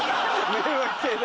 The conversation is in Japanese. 迷惑系だ。